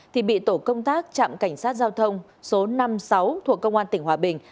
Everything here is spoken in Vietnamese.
thì bị tổ công tác trạm cảnh sát giao thông số năm mươi sáu thuộc công an tỉnh hòa bình